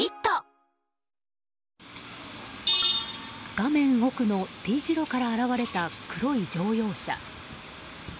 画面奥のＴ字路から現れた黒い乗用車。